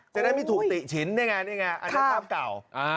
จะได้ไม่ถูกติฉินได้ไงได้ไงอันนี้ตามเก่า